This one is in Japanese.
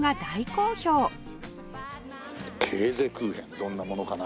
どんなものかな？